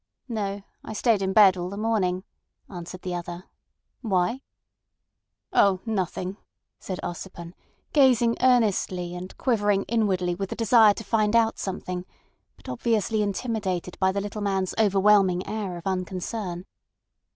"No. I stayed in bed all the morning," answered the other. "Why?" "Oh! Nothing," said Ossipon, gazing earnestly and quivering inwardly with the desire to find out something, but obviously intimidated by the little man's overwhelming air of unconcern.